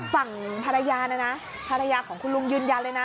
ฝั่งภรรยาเนี่ยนะภรรยาของคุณลุงยืนยันเลยนะ